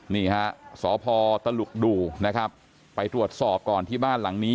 นี่ฮะสพตลุกดูนะครับไปตรวจสอบก่อนที่บ้านหลังนี้